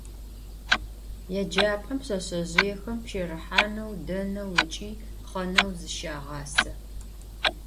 Yêcap'em pşseşsezjıêxem pşerıhaneu, deneu ıç'i xheneu zışağase.